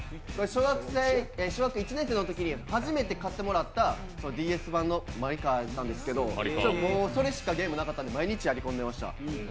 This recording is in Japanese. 小学校１年のときに初めて勝ってもらったＤＳ版のものなんですけどもうそれしかゲームなかったんで毎日やり込んでいました。